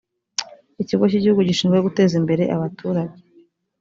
ikigo cy igihugu gishinzwe guteza imbere abaturage